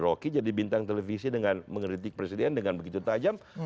rocky jadi bintang televisi dengan mengeritik presiden dengan begitu tajam